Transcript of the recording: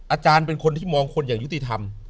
อาจารย์เป็นคนที่มองคนอย่างยุติธรรม